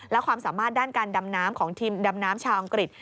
และความสามารถด้านการดำน้ำของทีมดำน้ำชาวอังกฤษ